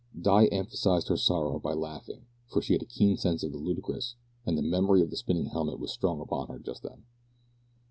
Di emphasised her sorrow by laughing, for she had a keen sense of the ludicrous, and the memory of the spinning helmet was strong upon her just then.